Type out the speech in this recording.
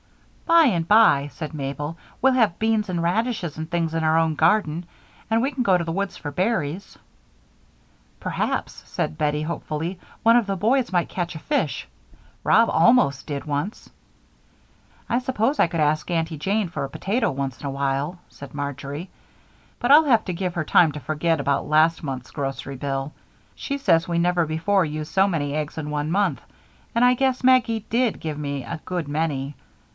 "By and by," said Mabel, "we'll have beans and radishes and things in our own garden, and we can go to the woods for berries." "Perhaps," said Bettie, hopefully, "one of the boys might catch a fish Rob almost did, once." "I suppose I could ask Aunty Jane for a potato once in a while," said Marjory, "but I'll have to give her time to forget about last month's grocery bill she says we never before used so many eggs in one month and I guess Maggie did give me a good many.